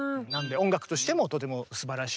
音楽としてもとてもすばらしい。